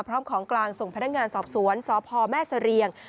พร้อมของกลางส่งพนักงานสอบสวนสพแม่เสรียง